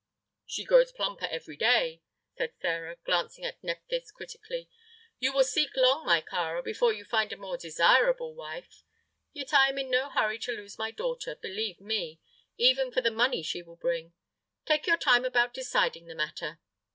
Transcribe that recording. "She grows plumper every day," said Sĕra, glancing at Nephthys critically. "You will seek long, my Kāra, before you find a more desirable wife. Yet I am in no hurry to lose my daughter, believe me, even for the money she will bring. Take your time about deciding the matter."